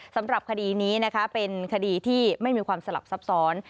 สำหรับคดีนี้นะคะเป็นคดีที่ไม่มีความสลับซับซ้อน